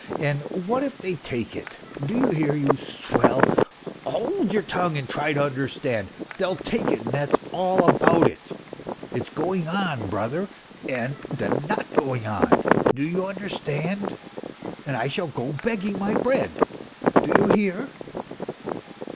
And what if they take it ? do you hear, you swell ? Hold your tongue and try to understand ! They'll take it and that's all about it ... it's going on, brother, and then not going on ... do you under stand ? And I shall go begging my bread, do you hear